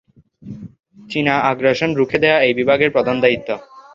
চীনা আগ্রাসন রুখে দেয়া এই বিভাগের প্রধান দায়িত্ব।